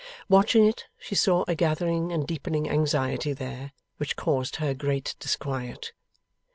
Watching it, she saw a gathering and deepening anxiety there, which caused her great disquiet.